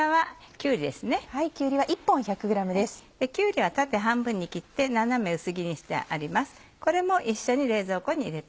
きゅうりは縦半分に切って斜め薄切りにしてあります。